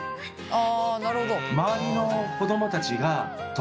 あ！